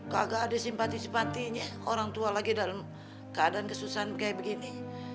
kagak ada simpati simpatinya orang tua lagi dalam keadaan kesusahan kayak begini